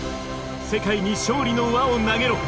世界に勝利の輪を投げろ！